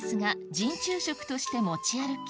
陣中食として持ち歩き